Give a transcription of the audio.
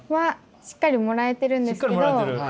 しっかりもらえてるんですけど。